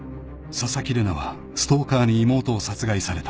［紗崎玲奈はストーカーに妹を殺害された］